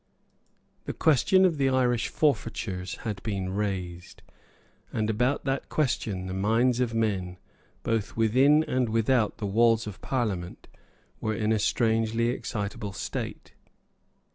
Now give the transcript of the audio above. The question of the Irish forfeitures had been raised; and about that question the minds of men, both within and without the walls of Parliament, were in a strangely excitable state.